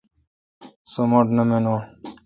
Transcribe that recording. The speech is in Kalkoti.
سو مٹھ نہ مانوں۔